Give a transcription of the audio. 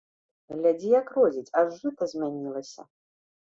Глядзі, як родзіць, аж жыта змянілася!